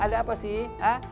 ada apa sih